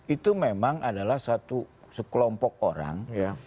itu memang adalah satu sekelompok orang